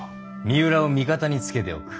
三浦を味方につけておく。